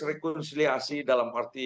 rekonsiliasi dalam arti